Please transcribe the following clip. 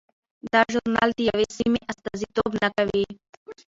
دا ژورنال د یوې سیمې استازیتوب نه کوي.